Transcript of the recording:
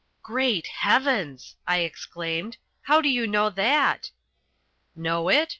"Great heavens!" I exclaimed. "How do you know that?" "Know it?